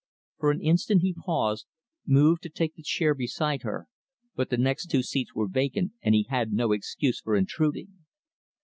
For an instant, he paused, moved to take the chair beside her; but the next two seats were vacant, and he had no excuse for intruding.